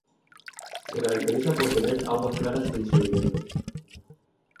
Se caracteriza por tener aguas claras sin sedimentos.